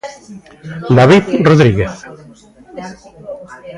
David Rodríguez.